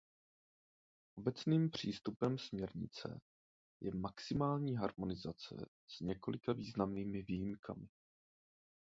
Obecným přístupem směrnice je maximální harmonizace s několika významnými výjimkami.